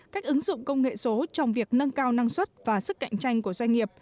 cách ứng dụng công nghệ số trong việc nâng cao năng suất và sức cạnh tranh của doanh nghiệp